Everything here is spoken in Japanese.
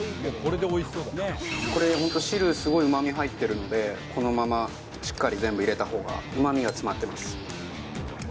これホント汁すごい旨味入ってるのでこのまましっかり全部入れた方が旨味が詰まってます